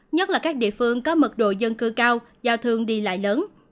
nhất là các địa phương có mật độ dân cư cao giao thương đi lại lớn